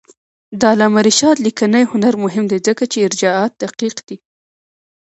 د علامه رشاد لیکنی هنر مهم دی ځکه چې ارجاعات دقیق دي.